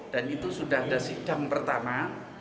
dan itu sudah ada sidang pertama